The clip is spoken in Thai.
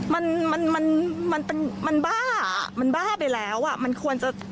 มันมันมันบ้าอ่ะมันบ้าไปแล้วอ่ะมันควรจะ